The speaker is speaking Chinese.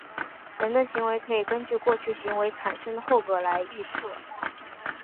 人的行为可以根据过去行为产生的后果来预测。